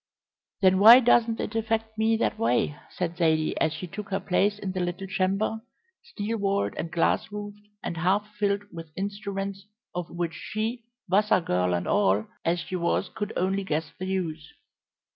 "Then why doesn't it affect me that way?" said Zaidie, as she took her place in the little chamber, steel walled and glass roofed, and half filled with instruments of which she, Vassar girl and all as she was, could only guess the use.